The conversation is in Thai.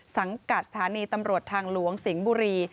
สังกัดสถานีตำรวจทางหลวงสิงห์บุรี